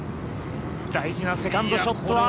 大事なセカンドショットは。